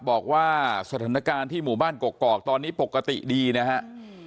บอกว่าสถานการณ์ที่หมู่บ้านกกอกตอนนี้ปกติดีนะฮะ